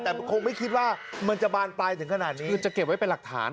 แต่มันคงไม่คิดว่ามันจะบานตายถึงขนาดนี้